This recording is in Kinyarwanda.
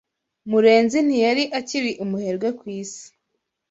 Murenzi ntiyari akiri umuherwe ku isi